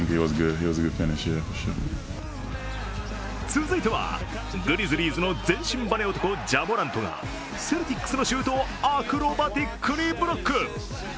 続いてはグリズリーズの全身バネ男、ジャ・モラントがセルティックスのシュートをアクロバティックにブロック。